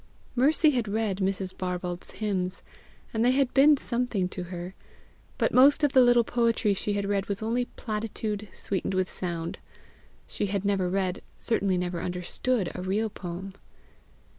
Mercy had read Mrs. Barbauld's Hymns, and they had been something to her; but most of the little poetry she had read was only platitude sweetened with sound; she had never read, certainly never understood a real poem.